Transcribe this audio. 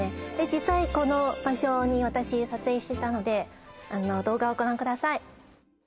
実際この場所に私撮影したので動画をご覧ください